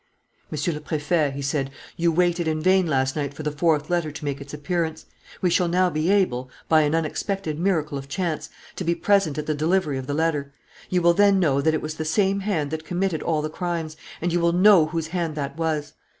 "Monsieur le Préfet," he said, "you waited in vain last night for the fourth letter to make its appearance. We shall now be able, by an unexpected miracle of chance, to be present at the delivery of the letter. You will then know that it was the same hand that committed all the crimes and you will know whose hand that was."